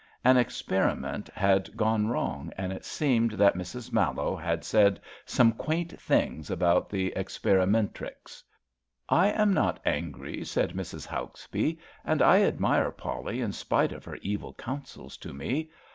An experiment had gone wrong, and it seems that*Mrs. Mallowe had said some quaint things about the experimentrix. I am not angry, ^' said Mrs. Hauksbee, and I admire Polly in spite of her evil counsels to me.